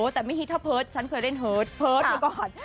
แต่ไม่ฮิตถ้าเพิศฉันเคยเล่นเพิศก่อน